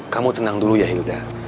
kamu tenang dulu ya hilda